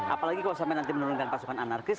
apalagi kalau sampai nanti menurunkan pasukan anarkis